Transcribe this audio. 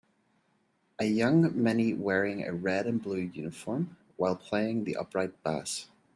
A young many wearing a red and blue uniform while playing the upright bass.